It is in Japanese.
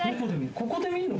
ここで見るの？